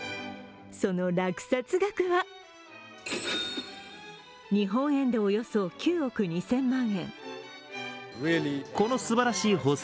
その落札額は日本円でおよそ９億２０００万円。